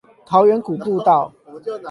桃源谷步道